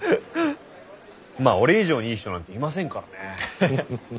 まあ俺以上にいい人なんていませんからね。